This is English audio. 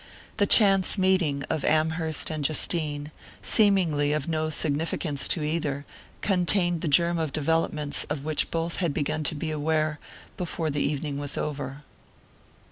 The chance meeting of Amherst and Justine, seemingly of no significance to either, contained the germ of developments of which both had begun to be aware before the evening was over.